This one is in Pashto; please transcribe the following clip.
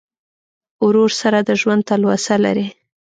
ورور سره د ژوند تلوسه لرې.